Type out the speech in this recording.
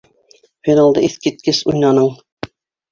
Финалды иҫ киткес уйнаның!